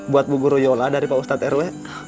buat bu guru yola dari pak ustadz rw